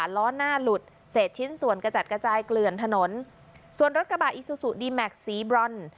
ล้อหน้าหลุดเศษชิ้นส่วนกระจัดกระจายเกลื่อนถนนส่วนรถกระบะอิซูซูดีแม็กซ์สีบรอน